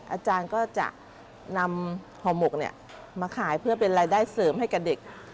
อาจารย์ก็จะนำห่อหมกมาขายเพื่อเป็นรายได้เสริมให้กับเด็ก